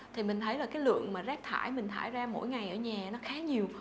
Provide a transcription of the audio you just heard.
thì mình thấy là cái lượng rác thải mình thải ra mỗi ngày ở nhà